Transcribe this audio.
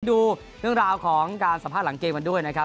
ดูเรื่องราวของการสัมภาษณ์หลังเกมกันด้วยนะครับ